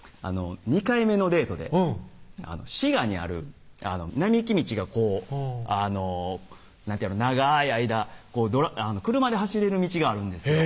２回目のデートで滋賀にある並木道がこう長い間車で走れる道があるんですよ